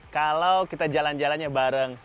kalau kita jalan jalannya bareng